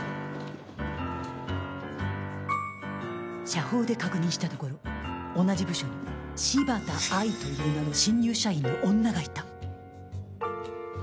社報で確認したところ同じ部署に、柴田愛衣という名の新入社員の女がいた。